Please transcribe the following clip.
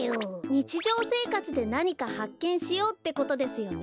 にちじょうせいかつでなにかはっけんしようってことですよね。